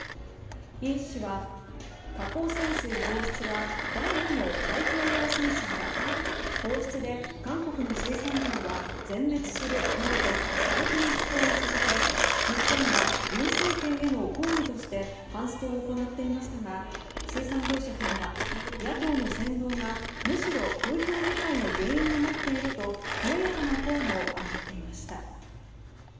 イ氏は、核汚染水放出は第２の太平洋戦争だ放出で韓国の水産業は全滅するなどと過激な主張を続け日本や尹政権への抗議としてハンストを行っていましたが水産業者からは野党の扇動がむしろ風評被害の原因になっていると冷ややかな声も上がっていました。